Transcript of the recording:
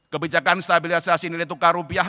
kebijakan stabilisasi nilai tukar rupiah